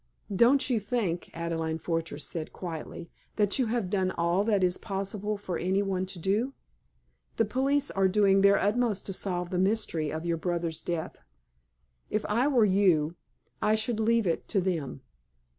"Don't you think," Adelaide Fortress said, quietly, "that you have done all that it is possible for any one to do? The police are doing their utmost to solve the mystery of your brother's death. If I were you I should leave it to them."